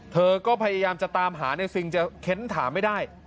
เธอก็พยายามจะตามหาในซิงธรรมนาจารย์จะเข็นถามไม่ได้